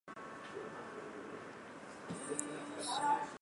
大冈镇是江苏省盐城市盐都区下属的一个镇。